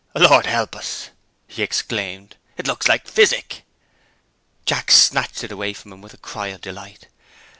"Lord help us!" he exclaimed; "it looks like physic!" Jack snatched it away from him, with a cry of delight.